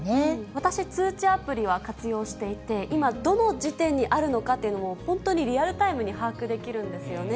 私、通知アプリは活用していて、今、どの時点にあるのかというのも、本当にリアルタイムに把握できるんですよね。